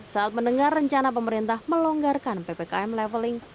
saat mendengar rencana pemerintah melonggarkan ppkm leveling